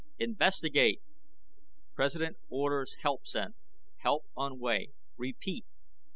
INVESTIGATE! PRESIDENT ORDERS HELP SENT. HELP ON WAY. REPEAT.